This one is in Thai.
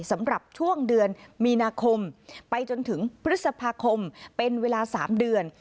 สำหรับช่วงเดือนมีนาคมไปจนถึงพฤษภาคมเป็นเวลา๓เดือน